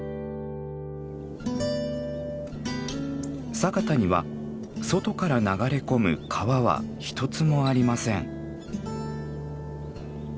佐潟には外から流れ込む川は一つもありません。